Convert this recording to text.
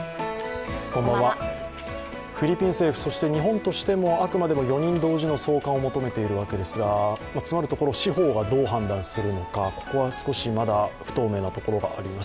フィリピン政府、そして日本としてもあくまでも４人同時の送還を求めているわけですが、詰まるところ、司法がどう判断するのか、ここは少しまだ不透明なところがあります。